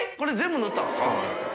そうなんですよ。